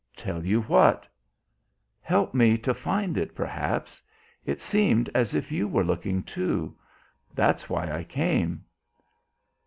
"Tell you what?" "Help me to find it perhaps. It seemed as if you were looking, too; that's why I came."